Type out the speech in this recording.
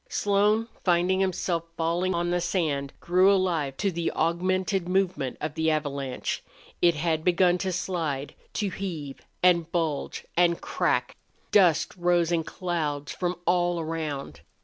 Slone, finding himself falling on the sand, grew alive to the augmented movement of the avalanche. It had begun to slide, to heave and bulge and crack. Dust rose in clouds from all around.